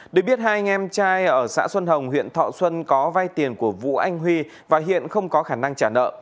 được biết hai anh em trai ở xã xuân hồng huyện thọ xuân có vai tiền của vũ anh huy và hiện không có khả năng trả nợ